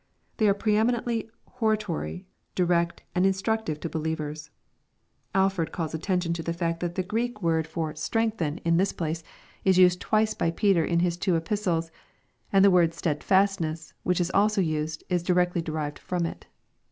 Tl.ey are pre eminently hortatory, direct, and instructive to be lievers. Alford calls attention to the fact that the Greek word fof LUKE, CHAP. XXII. 417 " «trengchen" in this place, is twice used by Peter in his two opis tles, and the word " stedfastness," which is also used, is direct'y derived from it.